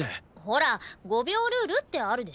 ほら５秒ルールってあるでしょ？